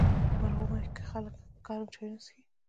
مرغومی کې خلک ګرم چایونه څښي.